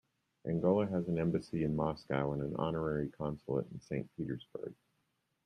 Angola has an embassy in Moscow and an honorary consulate in Saint Petersburg.